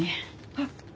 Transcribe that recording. あっ。